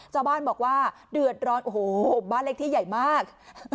ชาวบ้านบอกว่าเดือดร้อนโอ้โหบ้านเลขที่ใหญ่มาก